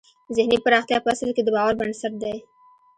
ذهني پراختیا په اصل کې د باور بنسټ دی